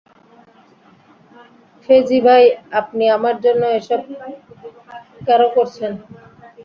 ফেজি ভাই আপনি আমার জন্য এসব কেনো করছেন?